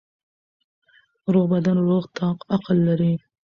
روغ بدن روغ عقل لري.